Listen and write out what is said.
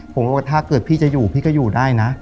ผมว่าถ้าเกิดพี่จะอยู่พี่ก็อยู่ได้นะ